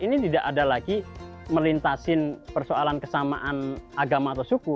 ini tidak ada lagi melintasin persoalan kesamaan agama atau suku